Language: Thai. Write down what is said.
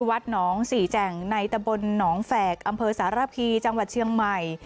วัดหนองสี่แจ่งในตะบลหนองแฝกอำเภอสารพีจังหวัดเชียงใหม่